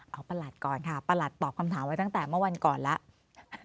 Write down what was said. เอาประหลัดก่อนค่ะประหลัดตอบคำถามไว้ตั้งแต่เมื่อวันก่อนแล้ว